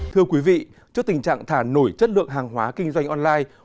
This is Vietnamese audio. thưa quý vị trước tình trạng thả nổi chất lượng hàng hóa kinh doanh online